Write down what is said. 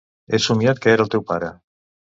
He somiat que era el teu pare.